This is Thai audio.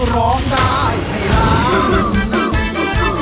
ร้องได้ให้ร้อง